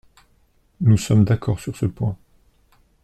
Nous sommes d’accord sur ce point.